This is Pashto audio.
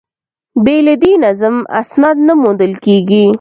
بې له دې نظم، اسناد نه موندل کېږي.